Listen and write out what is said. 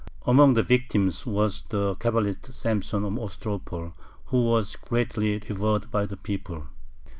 Among the victims was the Cabalist Samson of Ostropol, who was greatly revered by the people.